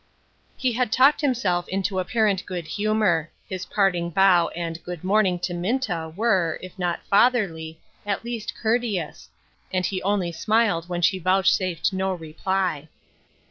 He had talked himself into apparent good humor. His parting bow and "good morning" to Minta were, if not fatherly, at least courteous, and he only smiled when she vouchsafed no reply.